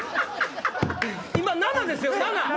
今７ですよ！